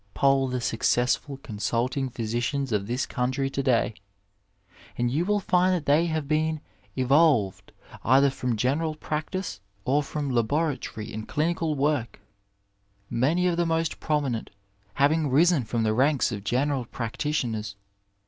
Poll the successful consulting physicians of this countty to day, and you will find they have been evolved either from general practice or from laboratory and clinical work : many of the most prominent having risen from the ranks of general practitioners.